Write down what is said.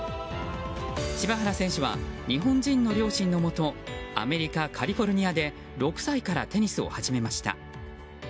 柴原選手は日本人の両親のもとアメリカ・カリフォルニアで６歳からテニスを始めました。